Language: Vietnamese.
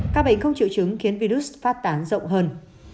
các bệnh không triệu chứng khiến virus phát tán rộng hơn